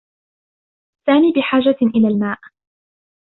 سامي بحاجة إلى الماء